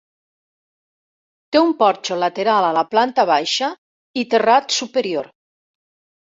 Té un porxo lateral a la planta baixa i terrat superior.